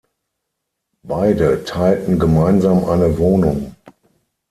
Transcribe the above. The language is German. Beide teilten gemeinsam eine Wohnung.